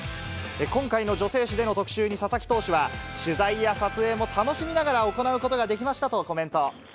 今回の女性誌での特集に、佐々木投手は、取材や撮影も楽しみながら行うことができましたとコメント。